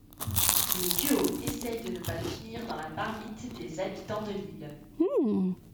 Le duo essaye de ne pas finir dans la marmite des habitants de l'île.